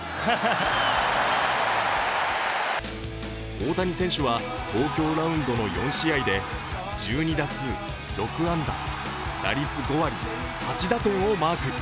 大谷選手は東京ラウンドの４試合で１２打数、６安打打率５割、８打点をマーク。